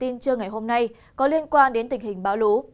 tin trưa ngày hôm nay có liên quan đến tình hình bão lũ